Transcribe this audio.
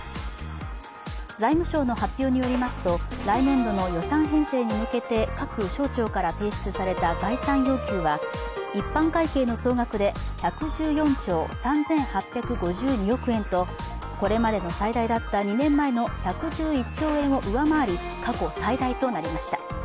財務省の発表によりますと来年度の予算編成に向けて各省庁から提出された概算要求は一般会計の総額で１１４兆３８５２億円とこれまでの最大だった２年前の１１１兆円を上回り過去最大となりました。